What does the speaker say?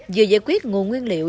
vừa giải quyết nguồn nguyên liệu